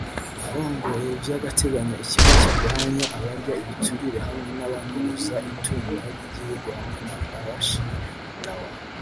arongoye vy'agateganyo ikigo kigwanya abarya ibiturire hamwe n'abanyuruza itunga ry'igihugu hamwe na Babachir Lawal